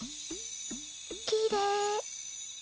きれい。